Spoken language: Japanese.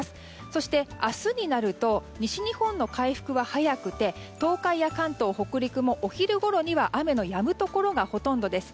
そして明日になると西日本の回復は早くて東海や関東、北陸もお昼ごろには雨のやむところがほとんどです。